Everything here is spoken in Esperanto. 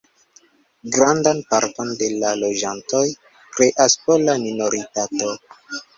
Grandan parton de la loĝantoj kreas pola minoritato.